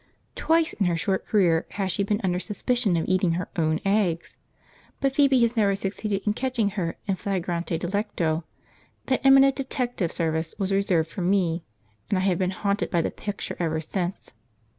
Twice in her short career has she been under suspicion of eating her own eggs, but Phoebe has never succeeded in catching her in flagrante delicto. That eminent detective service was reserved for me, and I have been haunted by the picture ever since.